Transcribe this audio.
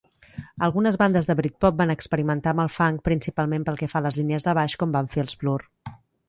Algunes bandes de Britpop van experimentar amb el funk, principalment pel que fa a les línies de baix, com van fer els Blur.